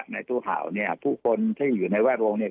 ในตู้ข่าวเนี่ยผู้คนที่อยู่ในแวดวงเนี่ย